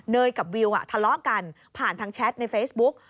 กับวิวทะเลาะกันผ่านทางแชทในเฟซบุ๊ก